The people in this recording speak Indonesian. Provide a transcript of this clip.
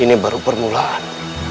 ini baru permulaan